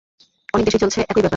অনেক দেশেই চলছে একই ব্যাপার।